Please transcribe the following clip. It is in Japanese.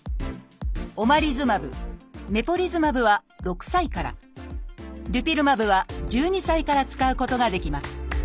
オマリズマブメポリズマブは６歳からデュピルマブは１２歳から使うことができます